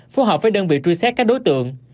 phù hợp với đơn vị truy xét các đối tượng